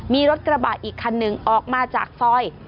มีรถกระบะอีกคันหนึ่งออกมาจากซอย